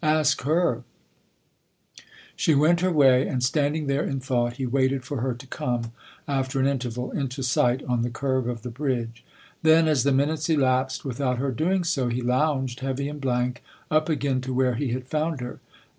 Ask her I" She went her way, and, standing there in thought, he waited for her to come, after an interval, into sight on the curve of the bridge. Then as the minutes elapsed without her doing so, he lounged, heavy and blank, up again to where he had found her.